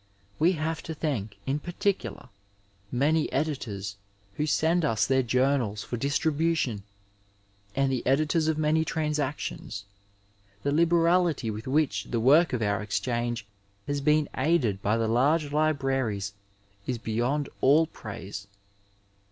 We have to thank, in particular, many editors who send us their journals for distribution, and the editors of many Transactions. The liberality with which the work of our Exchange has been aided by the large libraries is beyond aU praise.